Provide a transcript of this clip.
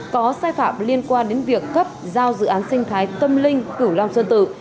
có sai phạm liên quan đến việc cấp giao dự án sinh thái tâm linh cửu long sơn tự